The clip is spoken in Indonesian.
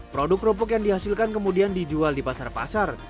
produk kerupuk yang dihasilkan kemudian dijual di pasar pasar